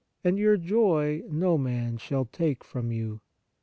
. and your joy no man shall take from you.